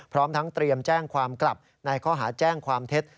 พร้อมทั้งเตรียมแจ้งความกลับในข้อหาแจ้งความเท็จ